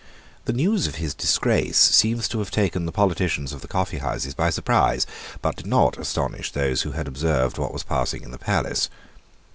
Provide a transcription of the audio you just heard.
The news of his disgrace seems to have taken the politicians of the coffeehouses by surprise, but did not astonish those who had observed what was passing in the palace.